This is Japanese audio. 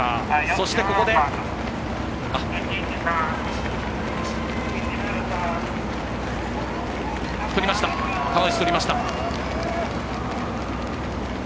そして、ここで川内、取りました。